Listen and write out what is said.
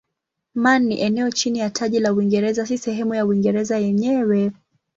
Man ni eneo chini ya taji la Uingereza si sehemu ya Uingereza yenyewe.